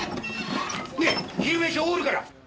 ねえ昼飯おごるから！